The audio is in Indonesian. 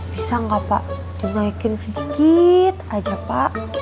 bisa nggak pak dinaikin sedikit aja pak